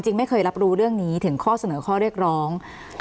ไม่เคยรับรู้เรื่องนี้ถึงข้อเสนอข้อเรียกร้อง